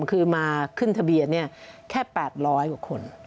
คือมาขึ้นทะเบียนแค่๘๐๐กว่าคน